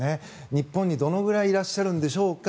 日本にどのくらいいらっしゃるんでしょうか。